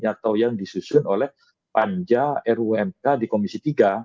atau yang disusun oleh panjang ruu mk di komisi tiga